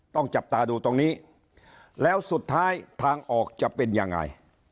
จับตาดูตรงนี้แล้วสุดท้ายทางออกจะเป็นยังไง